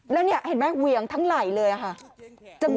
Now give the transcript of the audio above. แล้วนี่เห็นไหมเหวี่ยงทั้งไหล่เลยค่ะ